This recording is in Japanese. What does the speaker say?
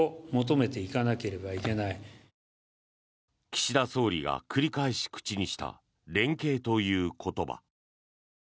岸田総理が繰り返し口にした連携という言葉。